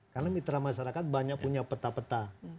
karena mitra masyarakat banyak punya peta peta